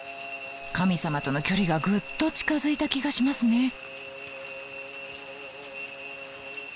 神様との距離がぐっと近づいた気がしますね。